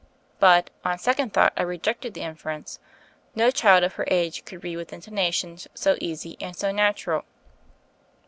But, on second thought, I rejected the inference: no child of her age could read with intonations so easy and so natural.